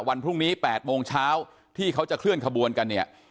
วันพรุ่งนี้๘โมงเช้าที่เขาจะเคลื่อนขบวนกันเนี่ย